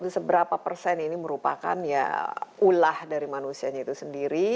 seberapa persen ini merupakan ya ulah dari manusianya itu sendiri